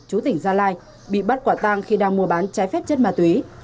chú tỉnh gia lai bị bắt quả tang khi đang mua bán trái phép chất ma túy